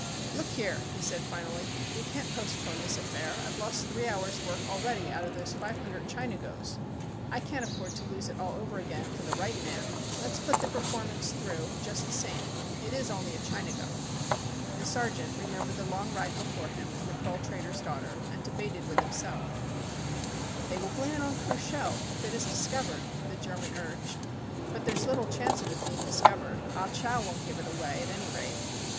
"Look here," he said finally, "we can't postpone this affair. I've lost three hours' work already out of those five hundred Chinagos. I can't af i82 THE CHINAGO ford to lose it all over again for the right man. Let's put the performance through just the same. It is only a Chinago." ' The sergeant remembered the long ride be fore him, and the pearl trader's daughter, and debated with himself "They will blame it on Cruchot ã if it is discovered," the German urged. "But there's little chance of its being discovered. Ah Chow won't give it away, at any rate."